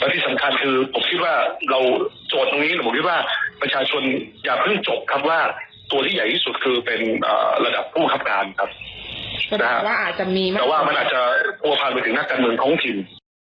แต่ว่ามันอาจจะผ่ววะพันไปถึงหน้าการเมืองของปิน